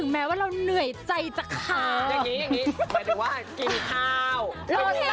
กับเพลงที่มีชื่อว่ากี่รอบก็ได้